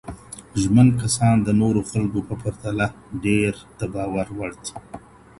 ژمن کسان د نورو خلګو په پرتله ډېر د باور وړ دي.